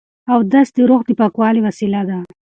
اودس د روح د پاکوالي وسیله ده.